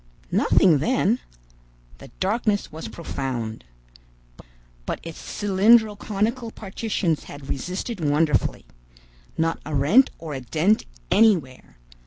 Nothing then. The darkness was profound. But its cylindro conical partitions had resisted wonderfully. Not a rent or a dent anywhere!